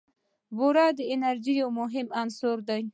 بوره د انرژۍ یو مهم عنصر دی.